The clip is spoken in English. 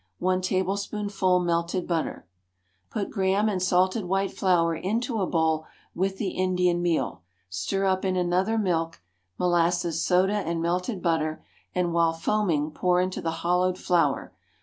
One tablespoonful melted butter. Put Graham and salted white flour into a bowl with the Indian meal. Stir up in another milk, molasses, soda and melted butter, and while foaming pour into the hollowed flour.